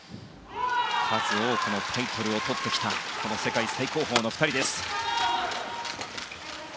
数多くのタイトルをとってきた世界最高峰の２人。